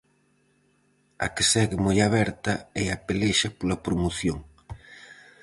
A que segue moi aberta é a pelexa pola promoción.